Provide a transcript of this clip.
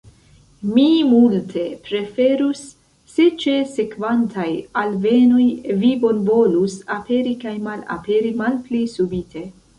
Mi multe preferus, se ĉe sekvantaj alvenoj vi bonvolus aperi kaj malaperi malpli subite.